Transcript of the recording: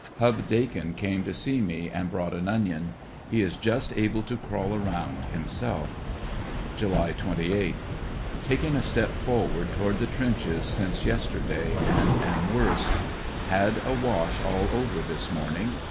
Hub Dakin came to see me and brought an onion. He is just able to crawl around himself. July 28. — Taken a step forward toward the trenches since j^ester • day, and am worse Had a wash all over this morning.